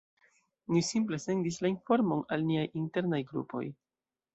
Ni simple sendis la informon al niaj "internaj" grupoj.